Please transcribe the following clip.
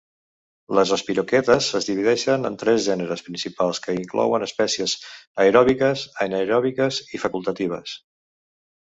Les espiroquetes es divideixen en tres gèneres principals que inclouen espècies aeròbiques, anaeròbiques i facultatives.